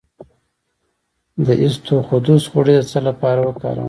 د اسطوخودوس غوړي د څه لپاره وکاروم؟